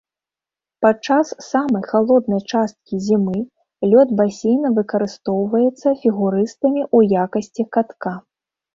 Падчас самай халоднай часткі зімы, лёд басейна выкарыстоўваецца фігурыстамі ў якасці катка.